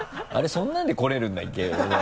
そんなので来られるんだっけ？